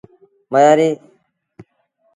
مهآريٚ کڻي آ۔